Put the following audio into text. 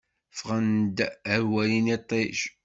Ffɣen-d ad walin iṭij.